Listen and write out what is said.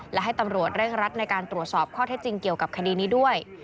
และให้ตำรวจเร่งรัดในการตรวจสอบข้อเท็จจริงเกี่ยวกับคดีนี้ด้วย